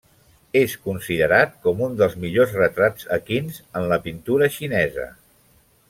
És considerat com un dels millors retrats equins en la pintura xinesa.